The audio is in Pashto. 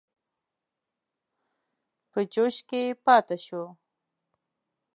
په جوش کې پاته شو.